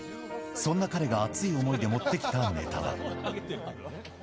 そんな彼が熱い思いで持ってきたネタは。